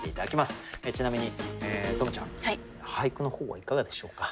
ちなみに十夢ちゃん俳句の方はいかがでしょうか。